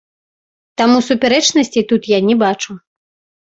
Таму супярэчнасцей тут я не бачу.